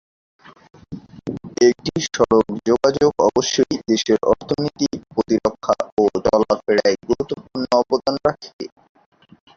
একটি সড়ক যোগাযোগ অবশ্যই দেশের অর্থনীতি, প্রতিরক্ষা ও চলাফেরায় গুরুত্বপূর্ণ অবদান রাখে।